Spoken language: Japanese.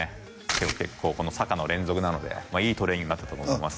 でも結構坂の連続なのでいいトレーニングになったと思います